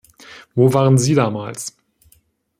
Wo waren Sie damals?